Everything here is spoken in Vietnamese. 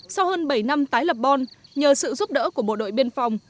sau hơn bảy năm tái lập bon nhờ sự giúp đỡ của bộ đội biên phòng